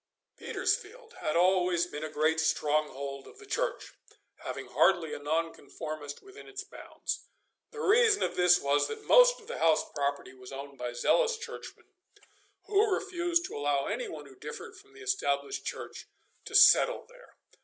Petersfield had always been a great stronghold of the Church, having hardly a Nonconformist within its bounds. The reason of this was that most of the house property was owned by zealous Churchmen, who refused to allow any one who differed from the Established Church to settle there.